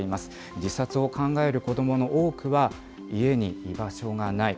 自殺を考える子どもの多くは、家に居場所がない。